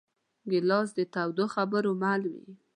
ګیلاس د تودو خبرو مل وي.